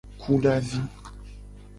Kudavi.